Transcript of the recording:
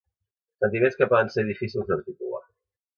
sentiments que poden ser difícils d'articular